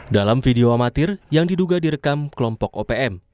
dalam video amatir yang diduga direkam kelompok opm